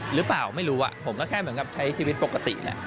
หรือเปล่าไม่รู้ผมก็แค่เหมือนกับใช้ชีวิตปกติแหละ